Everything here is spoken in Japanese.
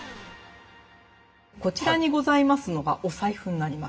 こちらにございますのがお財布になります。